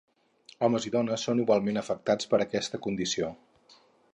Homes i dones són igualment afectats per aquesta condició.